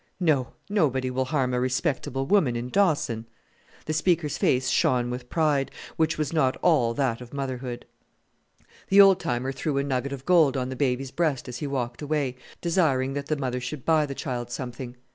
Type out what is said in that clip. "No. Nobody will harm a respectable woman in Dawson." The speaker's face shone with pride, which was not all that of motherhood. The old timer threw a nugget of gold on the baby's breast as he walked away, desiring that the mother should buy the child something.